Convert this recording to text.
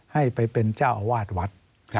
ให้ไปเป็นเจ้าอาวาสวัด